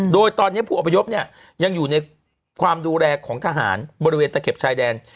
โดยตอนนี้ผู้อพยพเนี่ยยังอยู่ในความดูแลของทหารบริเวณตะเข็บชายแดน